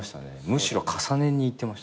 むしろ重ねにいってましたね。